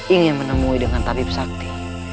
ingin menemui dengan tarif sakti